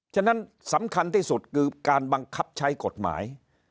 ฉะนั้นสำคัญที่สุดคือการบังคับใช้กฎหมาย